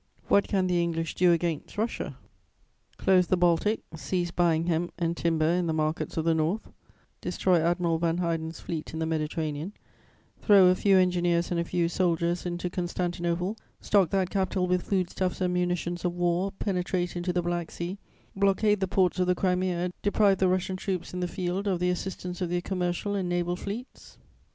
"What can the English do against Russia? Close the Baltic, cease buying hemp and timber in the markets of the North, destroy Admiral van Heiden's fleet in the Mediterranean, throw a few engineers and a few soldiers into Constantinople, stock that capital with food stuffs and munitions of war, penetrate into the Black Sea, blockade the ports of the Crimea, deprive the Russian troops in the field of the assistance of their commercial and naval fleets?